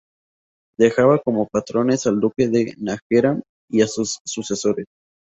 Dejaba como patronos al Duque de Nájera y a sus sucesores.